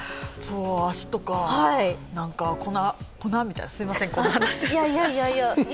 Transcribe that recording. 足とか、なんか粉みたいな、すいません、こんな話。